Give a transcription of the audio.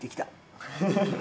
ハハハハ。